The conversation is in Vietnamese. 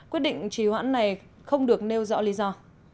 quyết định trì hoãn này không được nêu rõ lý do